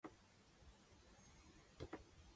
阿梓从小就很可爱